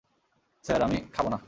Sir, আমি খাবো না।